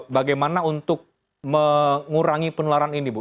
bagaimana untuk mengurangi penularan ini bu